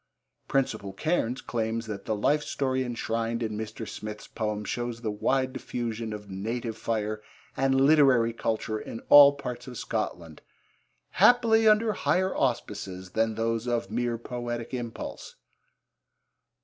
Principal Cairns claims that the life story enshrined in Mr. Smith's poems shows the wide diffusion of native fire and literary culture in all parts of Scotland, 'happily under higher auspices than those of mere poetic impulse.'